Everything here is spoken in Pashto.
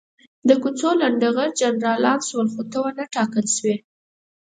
د کوڅو لنډه غر جنرالان شول، خو ته ونه ټاکل شوې.